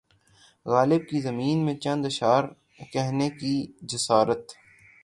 غالب کی زمین میں چند اشعار کہنے کی جسارت